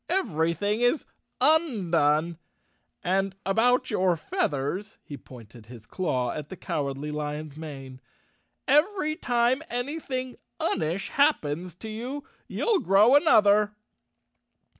"Everything is undone; and about your feathers," he pointed his claw at the Cowardly Lion's mane, "every time any¬ thing unish happens to you you'll grow another.